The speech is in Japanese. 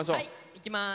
いきます。